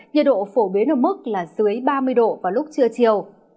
nhiệt độ phổ biến ở mức là dưới ba mươi độ vào lúc trưa chiều